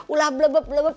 ulah blebep blebep